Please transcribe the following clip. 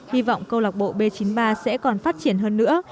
hy vọng câu lạc bộ b chín mươi ba sẽ còn phát triển hơn nữa